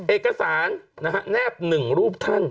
เอกสารนะฮะแนบหนึ่งรูปท่าน